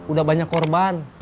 udah banyak korban